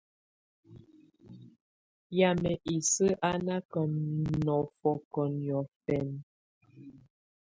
Yamɛ̀á isǝ́ á nà kà nɔ̀fɔ̀kɔ̀ niɔ̀fɛna.